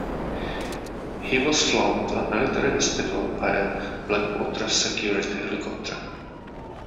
He was flown to a military hospital by a Blackwater Security helicopter.